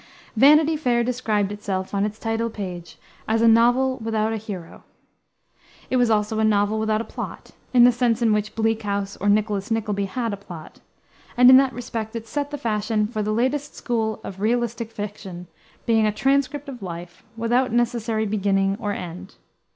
Vanity Fair described itself, on its title page, as "a novel without a hero." It was also a novel without a plot in the sense in which Bleak House or Nicholas Nickleby had a plot and in that respect it set the fashion for the latest school of realistic fiction, being a transcript of life, without necessary beginning or end.